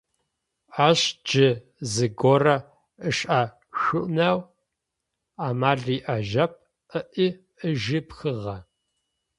Ащ джы зыгорэ ышӏэшъунэу амал иӏэжьэп, ыӏи, ыжи пхыгъэ.